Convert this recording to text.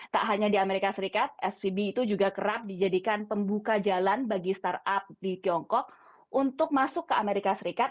tak hanya di amerika serikat svb itu juga kerap dijadikan pembuka jalan bagi startup di tiongkok untuk masuk ke amerika serikat